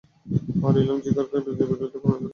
আর ইলম ও যিকিরকে নিজের বুলিতে পরিণত করুন।